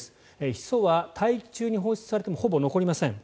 ヒ素は大気中に放出されてもほぼ残りません。